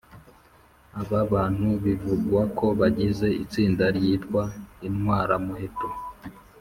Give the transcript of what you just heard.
Aba bantu bivugwa ko bagize itsinda ryitwa Intwaramuheto